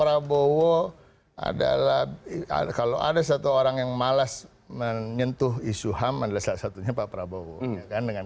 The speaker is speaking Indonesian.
prabowo adalah kalau ada satu orang yang malas menyentuh isu ham adalah salah satunya pak prabowo dengan